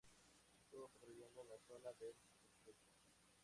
Estuvo patrullando en la zona del estrecho.